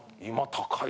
高い。